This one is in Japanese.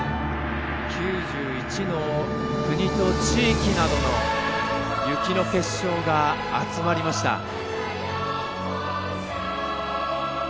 ９１の国と地域などの雪の結晶が集まりました。